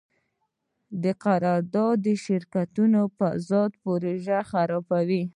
د قراردادي شرکتونو فساد پروژه خرابوي.